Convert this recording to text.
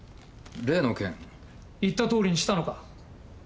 言ったとおりにしたのか？